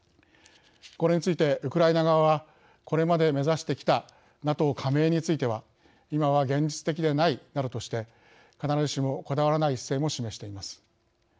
これについて、ウクライナ側はこれまで目指してきたＮＡＴＯ加盟については今は現実的でないなどとして必ずしもこだわらない姿勢も示しています。